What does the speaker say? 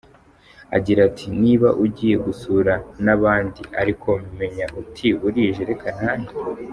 Agira ati “…niba ugiye gusura n’abandi ariko menya uti “burije reka ntahe.